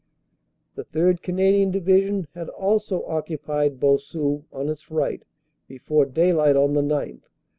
"The 3rd. Canadian Division had also occupied Boussu, on its right, before daylight on the 9th.